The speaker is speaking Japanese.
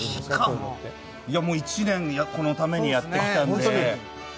いや、もう１年、このためにやってきたので。